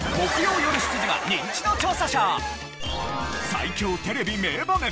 最強テレビ名場面。